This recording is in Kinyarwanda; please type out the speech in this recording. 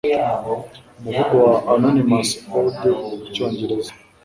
Umuvugo wa Anonymous Olde mu Icyongereza